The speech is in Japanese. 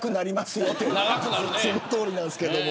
よってそのとおりなんですけど。